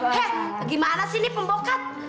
hek gimana sih ini pembokat